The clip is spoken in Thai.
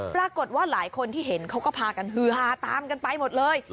ปรากฏว่าหลายคนที่เห็นเขาก็พากันฮือฮาตามกันไปหมดเลย